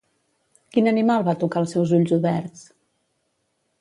Quin animal va tocar els seus ulls oberts?